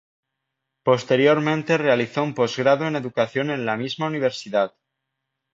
Posteriormente realizó un postgrado en educación en la misma universidad.